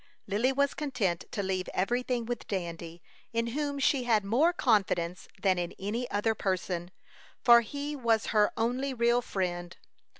Lily was content to leave every thing with Dandy, in whom she had more confidence than in any other person, for he was her only real friend.